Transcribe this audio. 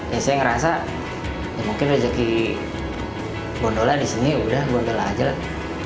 ya saya ngerasa ya mungkin rezeki gondola di sini udah gondola aja lah